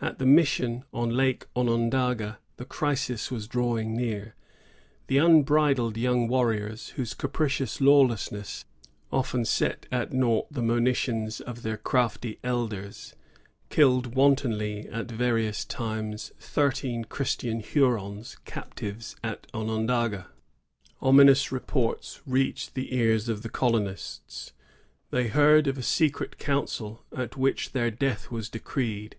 At the mission on Lake Onondaga the crisis was irawing near. The unbridled young warriors, whose capricious lawlessness often set at naught the moni tions of their crafty elders, killed wantonly at various times thirteen Christian Hurons, captives at 1658.] FRIGHTFUL POSITION. 89 Onondaga. Ominous reports reached the ears of the colonists. They heard of a secret council at which their death was decreed.